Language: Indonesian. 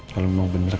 kalau memang bener